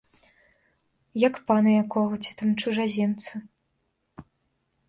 Як пана якога ці там чужаземца.